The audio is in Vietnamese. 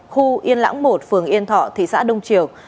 khu yên lãng một phường yên thọ thị xã đông triều